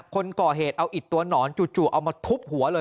คนก่อเหตุเอาอิดตัวหนอนจู่เอามาทุบหัวเลย